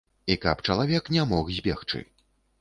І каб чалавек не мог збегчы.